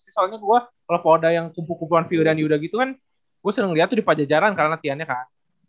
soalnya kalo porda yang kumpul kumpulan firdan dan yuda gitu kan gue sering liat tuh di pajajaran karena latihannya kak